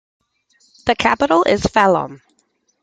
The capital is Phalombe.